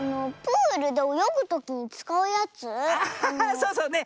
そうそうね。